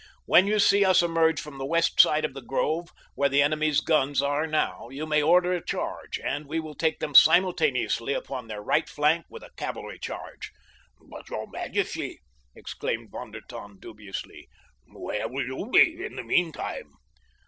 "When you see us emerge upon the west side of the grove where the enemy's guns are now, you may order a charge, and we will take them simultaneously upon their right flank with a cavalry charge." "But, your majesty," exclaimed Von der Tann dubiously, "where will you be in the mean time?"